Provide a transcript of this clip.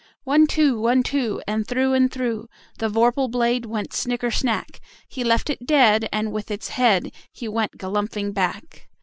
One, two! One, two! And through and through The vorpal blade went snicker snack! He left it dead, and with its head He went galumphing back.